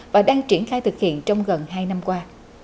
và đang triển khai thực hiện trong gần hai năm qua